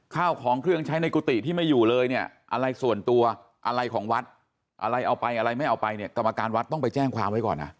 ข้าวของเครื่องใช้ในกุฏิที่ไม่อยู่เลยเนี่ยอะไรส่วนตัวอะไรของวัดอะไรเอาไปอะไรไม่เอาไปเนี่ยกรรมการวัดต้องไปแจ้งความไว้ก่อนนะ